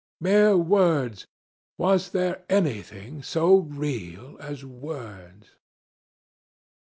Mere words! Was there anything so real as words?